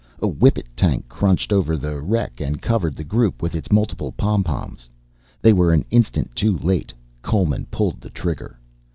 A whippet tank crunched over the wreck and covered the group with its multiple pom poms. They were an instant too late, Coleman pulled the trigger.